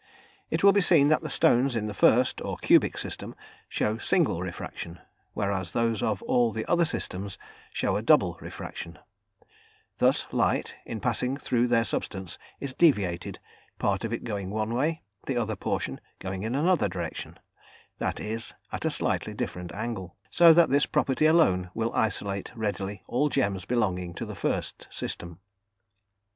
It will be seen that the stones in the 1st, or cubic system, show single refraction, whereas those of all other systems show double refraction; thus, light, in passing through their substance, is deviated, part of it going one way, the other portion going in another direction that is, at a slightly different angle so that this property alone will isolate readily all gems belonging to the 1st system.